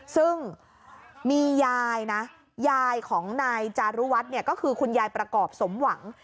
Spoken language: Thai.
ซึ่งมียายนะยายของนายจารุวัฒน์เนี่ยก็คือคุณยายประกอบสมหวัง